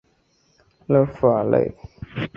勒富尔内。